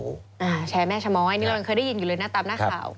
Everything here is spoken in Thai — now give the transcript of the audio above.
อ่าแชร์แม่ชะม้อยนี่เรายังเคยได้ยินอยู่เลยนะตามหน้าข่าว